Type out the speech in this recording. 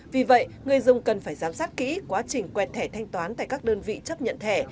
vì vậy người dùng cần phải giám sát kỹ quá trình quẹt thẻ thanh toán tại các đơn vị chấp nhận thẻ